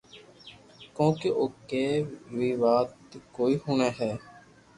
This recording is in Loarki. ڪونڪھ او ڪي ري وات ڪوئي ھڻي ھي